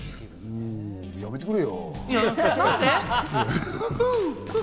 やめてくれよ。